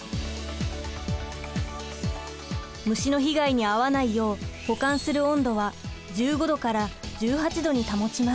虫の被害に遭わないよう保管する温度は１５度から１８度に保ちます。